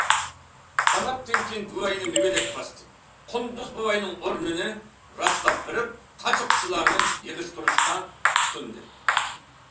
تاماقتىن كېيىن، بوۋاينى مۈگدەك باستى، قۇندۇز بوۋاينىڭ ئورنىنى راسلاپ بېرىپ، قاچا- قۇچىلارنى يىغىشتۇرۇشقا تۇتۇندى.